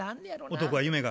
男は夢が？